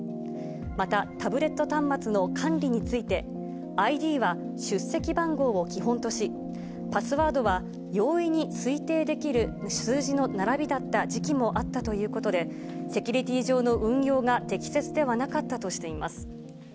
また、タブレット端末の管理について、ＩＤは出席番号を基本とし、パスワードは容易に推定できる数字の並びだった時期もあったということで、セキュリティー上の運用が適切ではなかったとしています。